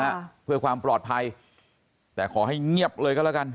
และก็คือว่าถึงแม้วันนี้จะพบรอยเท้าเสียแป้งจริงไหม